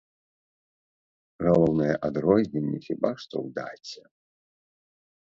Галоўнае адрозненне хіба што ў даце.